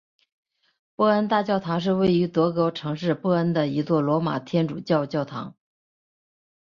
波恩大教堂是位于德国城市波恩的一座罗马天主教教堂。